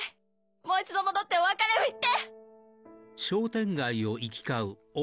もう一度戻ってお別れを言って！